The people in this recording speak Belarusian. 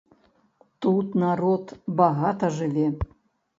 Тут народ багата жыве.